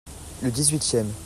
le dix-huitième.